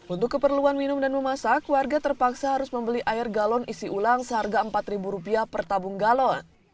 untuk keperluan minum dan memasak warga terpaksa harus membeli air galon isi ulang seharga rp empat per tabung galon